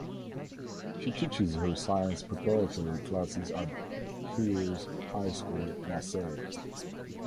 She teaches her science preparatory classes at Thiers High School, Marseille.